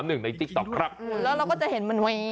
แล้วเราก็จะเห็นมันเว้ยอะไรอย่างนี้หรอ